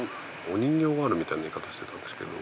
お人形があるみたいな言い方してたんですけど。